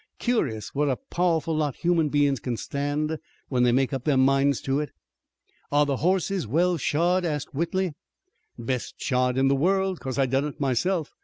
Cur'us what a pow'ful lot human bein's kin stand when they make up their minds to it." "Are the horses well shod?" asked Whitley. "Best shod in the world, 'cause I done it myself.